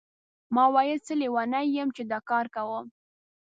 ما ویل څه لیونی یم چې دا کار کوم.